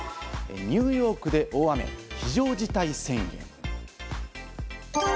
ニューヨークで大雨、非常事態宣言。